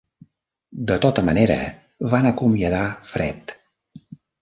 De tota manera, van acomiadar Fred.